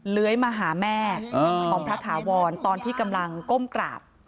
เลื้อยมาหาแม่ของพระถาวรตอนที่กำลังก้มกราบ